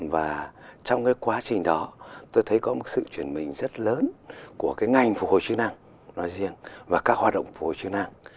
và trong cái quá trình đó tôi thấy có một sự chuyển mình rất lớn của cái ngành phù hợp chức năng nói riêng và các hoạt động phù hợp chức năng